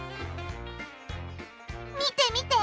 見て見て！